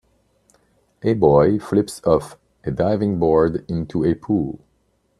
A boy flips off a diving board into a pool.